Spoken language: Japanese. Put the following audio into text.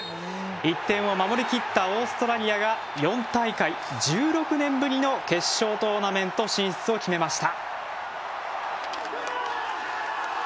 １点を守りきったオーストラリアが４大会１６年ぶりの決勝トーナメント進出を決めました。